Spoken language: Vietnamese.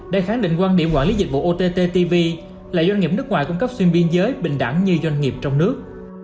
để khẳng định quan điểm quản lý dịch vụ ott tv là doanh nghiệp nước ngoài cung cấp xuyên biên giới bình đẳng như doanh nghiệp trong nước